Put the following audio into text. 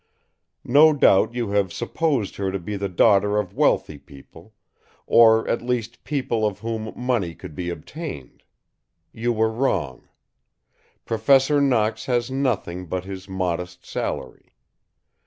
No doubt you have supposed her to be the daughter of wealthy people, or at least people of whom money could be obtained. You were wrong. Professor Knox has nothing but his modest salary.